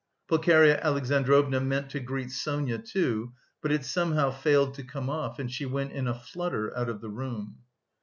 Pulcheria Alexandrovna meant to greet Sonia, too; but it somehow failed to come off, and she went in a flutter out of the room.